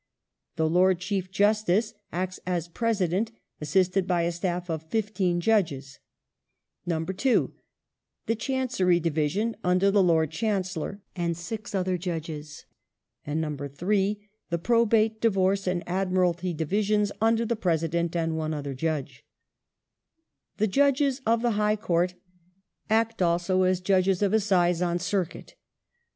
The Lord Chief Justice acts as President assisted by a staff of fifteen Judges ; (ii) the Chancery Division under the Lord Chancellor and six other judges; and (iii) the Probate, Divorce, and Admiralty Division under the President and one other Judga TTie Judges of the High Court act also as Judges of Assize on circuit.